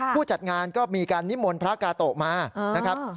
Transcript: ผู้จัดงานก็มีการนิมนต์พระกาโตะมานะครับ